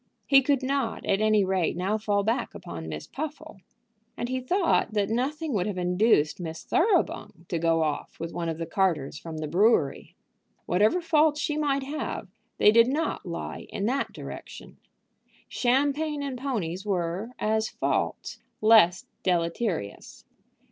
He could not, at any rate, now fall back upon Miss Puffle. And he thought that nothing would have induced Miss Thoroughbung to go off with one of the carters from the brewery. Whatever faults she might have, they did not lie in that direction. Champagne and ponies were, as faults, less deleterious.